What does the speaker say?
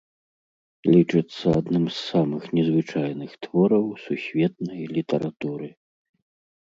Лічыцца адным з самых незвычайных твораў сусветнай літаратуры.